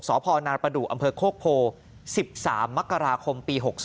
สพนาประดูกอำเภอโคกโพ๑๓มกราคมปี๖๒